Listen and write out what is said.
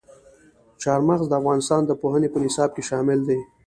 چار مغز د افغانستان د پوهنې په نصاب کې شامل دي.